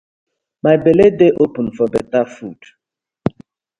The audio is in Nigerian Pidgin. My belle dey open for betta food.